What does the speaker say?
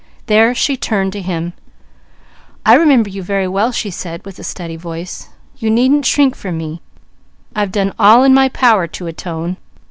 There she turned to Mickey. "I remember you very well," she said, with a steady voice. "You needn't shrink from me. I've done all in my power to atone.